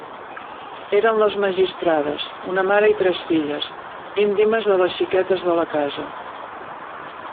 Eren «les magistrades», una mare i tres filles, íntimes de les xiquetes de la casa.